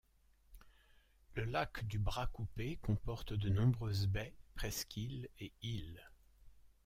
Le lac du Bras Coupé comporte de nombreuses baies, presqu’îles et îles.